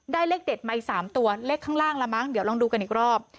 เลขเด็ดมาอีก๓ตัวเลขข้างล่างละมั้งเดี๋ยวลองดูกันอีกรอบ